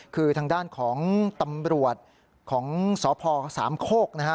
คือทางด้านของตำรวจของสพสามโคกนะฮะ